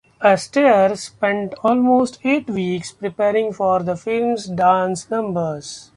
Astaire spent almost eight weeks preparing for the film's dance numbers.